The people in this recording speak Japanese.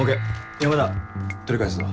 山田取り返すぞ。